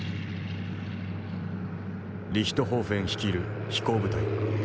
リヒトホーフェン率いる飛行部隊。